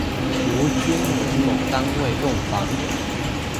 如今为某单位用房。